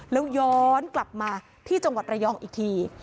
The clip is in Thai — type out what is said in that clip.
แล้วย้อนกลับมาที่จังหวัดระยองอีกที